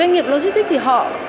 doanh nghiệp logistic thì họ